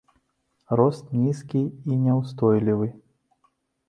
Рост нізкі і няўстойлівы.